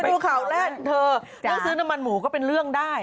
ดูข่าวแรกเธอต้องซื้อน้ำมันหมูก็เป็นเรื่องได้